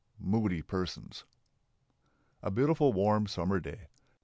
MOODY PERSONS A beautiful warm summer day.